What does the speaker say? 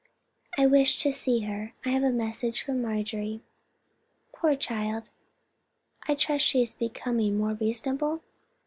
"I wished to see her. I have a message from Marjorie." "Poor child, I trust she is becoming more reasonable.